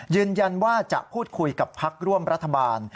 ยืนยันว่าจะพูดคุยกับพักร่วมรัฐบาล